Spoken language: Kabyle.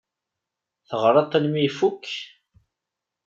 Teɣriḍ-t armi ifukk?